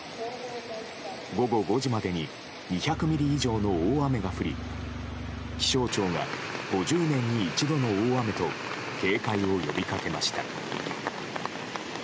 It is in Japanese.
午後５時までに２００ミリ以上の大雨が降り気象庁が５０年に一度の大雨と警戒を呼びかけました。